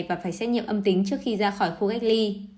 và phải xét nghiệm âm tính trước khi ra khỏi khu cách ly